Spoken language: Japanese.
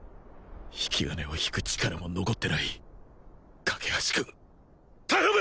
引き金を引く力も残ってない架橋君頼む！